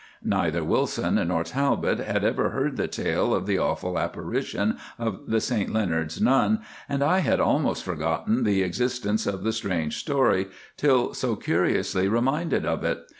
Neither Wilson nor Talbot had ever heard the tale of the awful apparition of the St Leonards nun, and I had almost forgotten the existence of the strange story till so curiously reminded of it.